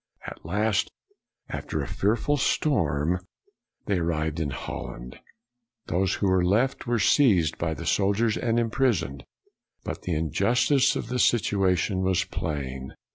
At last, after a fearful storm, they arrived 200 BREWSTER in Holland. Those who were left were seized by the soldiers and imprisoned; but the injustice of the situation was plain.